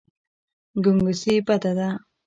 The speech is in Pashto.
ګنګسي بده ده.